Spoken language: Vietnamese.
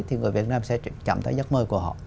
thì người việt nam sẽ cảm thấy giấc mơ của họ